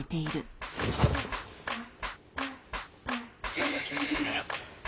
いやいやいやいや。